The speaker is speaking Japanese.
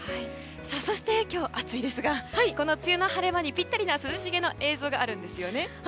そして、今日は暑いですがこの梅雨の晴れ間にぴったりな涼しげな映像があるんですよね。